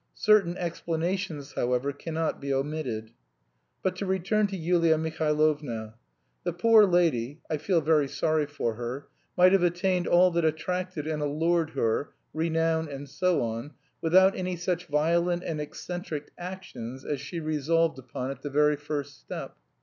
Certain explanations, however, cannot be omitted. But to return to Yulia Mihailovna. The poor lady (I feel very sorry for her) might have attained all that attracted and allured her (renown and so on) without any such violent and eccentric actions as she resolved upon at the very first step.